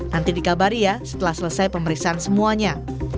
nanti dikabari ya setelah selesai pemeriksaan semuanya